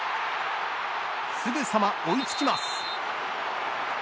すぐさま追いつきます。